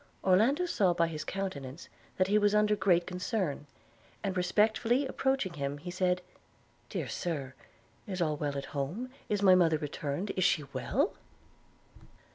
Orlando saw by his countenance that he was under great concern; and respectfully approaching him, he said, 'Dear Sir, is all well at home? Is my mother returned? Is she well?'